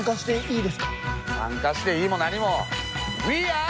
参加していいも何もウィーアー。